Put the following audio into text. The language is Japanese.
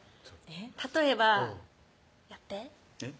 例えばやってえっ？